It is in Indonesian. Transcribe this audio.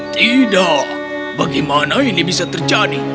tidak bagaimana ini bisa terjadi